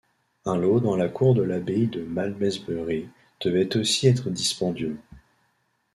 Un lot dans la cour de l'abbaye de Malmesbury devait aussi être dispendieux.